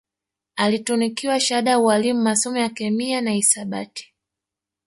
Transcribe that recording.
Alitunukiwa shahada ya ualimu masomo ya kemiana hisabati